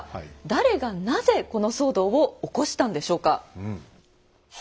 誰がなぜこの騒動を起こしたんでしょうか。